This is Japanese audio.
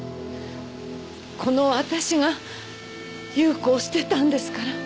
このわたしが夕子を捨てたんですから。